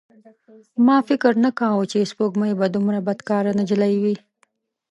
ما فکر نه کاوه چې سپوږمۍ به دومره بدکاره نجلۍ وي.